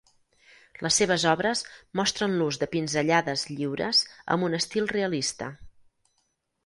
Les seves obres mostren l'ús de pinzellades lliures amb un estil realista.